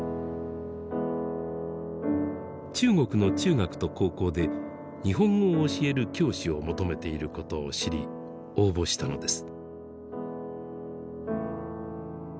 中国の中学と高校で日本語を教える教師を求めていることを知り応募したのです。